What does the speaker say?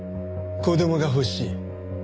子供が欲しい。